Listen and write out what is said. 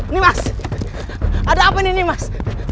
nimas ada apa nih nimas